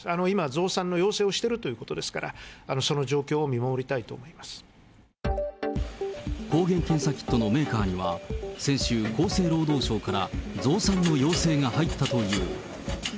今、増産の要請をしているということですから、その状況を見守りたい抗原検査キットのメーカーには、先週、厚生労働省から増産の要請が入ったという。